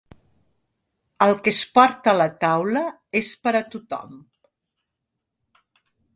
El que es porta a la taula és per a tothom.